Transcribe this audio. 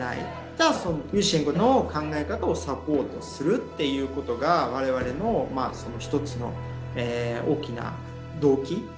じゃあそのユーシェンコの考え方をサポートするっていうことが我々の一つの大きな動機。